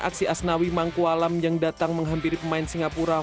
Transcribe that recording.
aksi asnawi mangku alam yang datang menghampiri pemain singapura